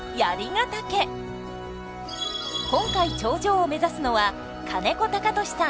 今回頂上を目指すのは金子貴俊さん